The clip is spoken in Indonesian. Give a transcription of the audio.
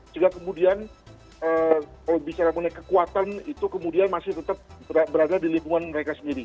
jika kemudian kalau bicara mengenai kekuatan itu kemudian masih tetap berada di lingkungan mereka sendiri